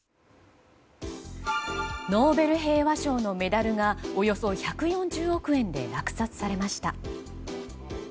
ノーベル平和賞のメダルがおよそ１４０億円で落札されました。